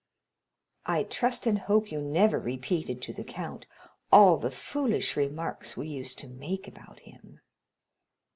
"I trust and hope you never repeated to the count all the foolish remarks we used to make about him?"